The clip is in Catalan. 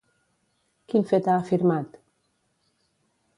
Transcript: Quin fet ha afirmat?